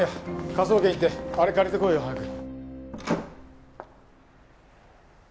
科捜研行ってあれ借りてこいよ早く。